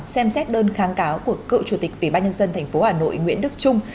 xem xét đơn kháng cáo của cựu chủ tịch ủy ban nhân dân tp hà nội nguyễn đức trung